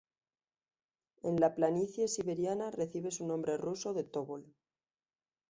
En la planicie siberiana recibe su nombre ruso de Tobol.